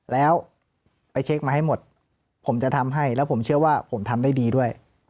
แล้วไปเช็คมาให้หมดผมจะทำให้แล้วผมเชื่อว่าผมทำได้ดีด้วย